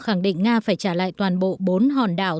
khẳng định nga phải trả lại toàn bộ bốn hòn đảo